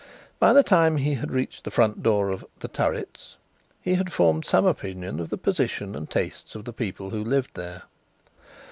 By the time he had reached the front door of "The Turrets" he had formed some opinion of the position and tastes of the people who lived there.